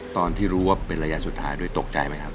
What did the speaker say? ตอนที่รู้ว่าเป็นระยะสุดท้ายด้วยตกใจไหมครับ